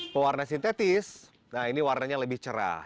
pewarna sintetis nah ini warnanya lebih cerah